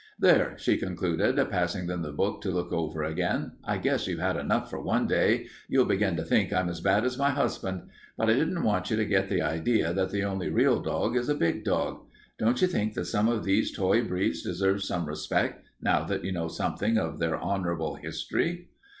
"There," she concluded, passing them the book to look over again, "I guess you've had enough for one day. You'll begin to think I'm as bad as my husband. But I didn't want you to get the idea that the only real dog is a big dog. Don't you think that some of these toy breeds deserve some respect, now that you know something of their honorable history?"